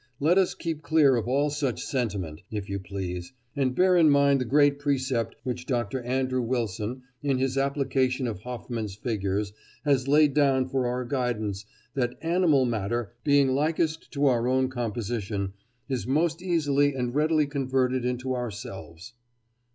Let us keep clear of all such sentiment, if you please, and bear in mind the great precept which Dr. Andrew Wilson, in his application of Hofmann's figures, has laid down for our guidance, that "animal matter, being likest to our own composition, is most easily and readily converted into ourselves."